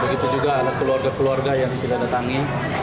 begitu juga anak keluarga keluarga yang tidak datangi